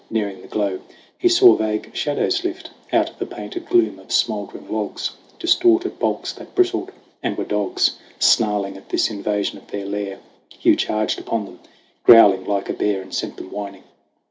Nearing the glow, he saw vague shadows lift Out of the painted gloom of smouldering logs Distorted bulks that bristled, and were dogs Snarling at this invasion of their lair. Hugh charged upon them, growling like a bear, And sent them whining.